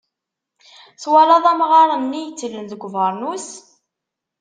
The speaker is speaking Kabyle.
Twalaḍ amɣar-nni yettlen deg ubernus?